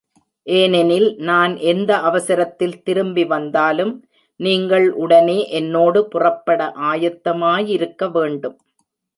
ஏனெனில் நான் எந்த அவசரத்தில் திரும்பி வந்தாலும் நீங்கள் உடனே என்னோடு புறப்பட ஆயத்தமாயிருக்க வேண்டும்.